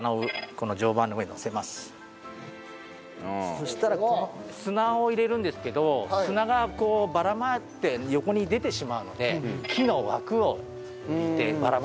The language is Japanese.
そしたら砂を入れるんですけど砂がばらまいて横に出てしまうので木の枠を置いてばらまかないように。